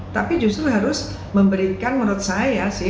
tapi justru harus memberikan menurut saya sih